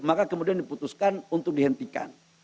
maka kemudian diputuskan untuk dihentikan